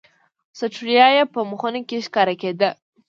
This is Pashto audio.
ستړیا یې په مخونو کې ښکاره کېده.